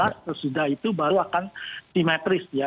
sesudah itu baru akan simetris ya